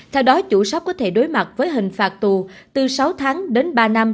theo đó chủ shop có thể đối mặt với hình phạt tù từ sáu tháng đến ba năm